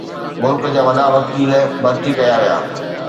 ملڪ جا وڏا وڪيل ڀرتي ڪيا ويا.